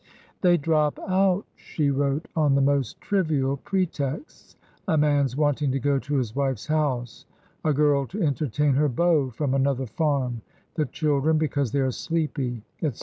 They drop out/' she wrote, on the most trivial pre texts— a man's wanting to go to his wife's house, a girl to entertain her beau from another farm, the children because they are sleepy, etc.